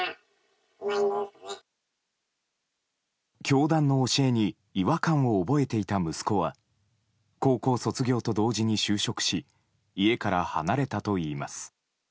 教団の教えに違和感を覚えていた息子は高校卒業と同時に就職し家から離れたといいます。